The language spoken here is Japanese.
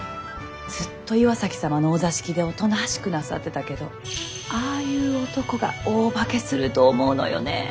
ずっと岩崎様のお座敷でおとなしくなさってたけどああいう男が大化けすると思うのよねえ。